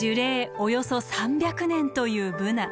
およそ３００年というブナ。